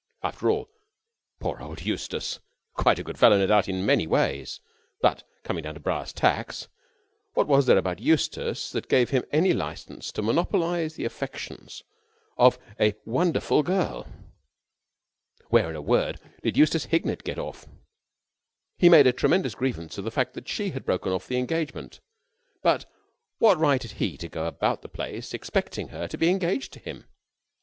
After all ... poor old Eustace ... quite a good fellow, no doubt in many ways ... but, coming down to brass tacks, what was there about Eustace that gave him any license to monopolise the affections of a wonderful girl? Where, in a word, did Eustace Hignett get off? He made a tremendous grievance of the fact that she had broken off the engagement, but what right had he to go about the place expecting her to be engaged to him?